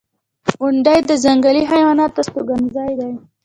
• غونډۍ د ځنګلي حیواناتو استوګنځای دی.